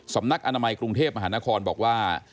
สำนักอนามัยกรุงเทพมหานครบอกว่า